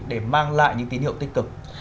để mang lại những tín hiệu tích cực